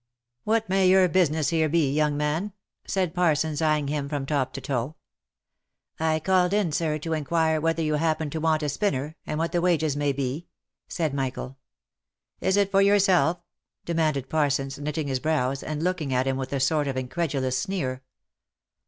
What may your business here be, young man?" said Parsons eye ing him from top to toe. H I called in, sir, to inquire whether you happened to want a spin ner, and what the wages may be," said Michael. " Is it for yourself ?" demanded Parsons, knitting his brows, and looking at him with a sort of incredulous sneer.